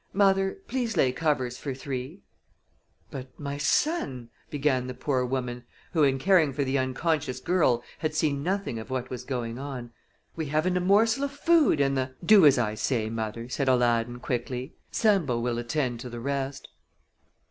Mother, please lay covers for three " "But, my son," began the poor woman, who, in caring for the unconscious girl, had seen nothing of what was going on, "we haven't a morsel of food in the " "Do as I say, mother," said Aladdin, quickly. "Sambo will attend to the rest."